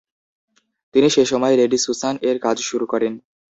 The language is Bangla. তিনি সেসময় লেডি সুসান -এর কাজ শুরু করেন।